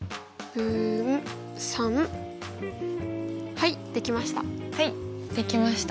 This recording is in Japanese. はい出来ました。